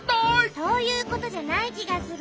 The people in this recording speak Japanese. そういうことじゃないきがする。